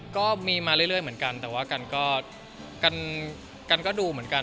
ก็มีมาเรื่อยเหมือนกันแต่ว่ากันก็ดูเหมือนกัน